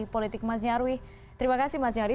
politik mas nyarwi terima kasih mas nyarwi